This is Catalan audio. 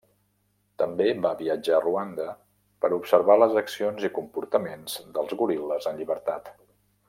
També va viatjar a Ruanda, per observar les accions i comportaments dels goril·les en llibertat.